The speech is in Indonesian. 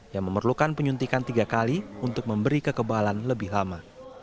yang memerlukan penyuntikan tiga kali untuk memberi kekebalan lebih lama